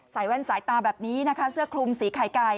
แว่นสายตาแบบนี้นะคะเสื้อคลุมสีไข่ไก่